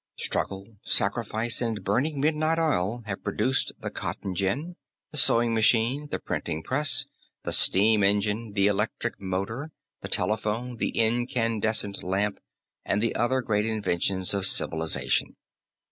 Struggle, sacrifice and burning midnight oil have produced the cotton gin, the sewing machine, the printing press, the steam engine, the electric motor, the telephone, the incandescent lamp and the other great inventions of civilization.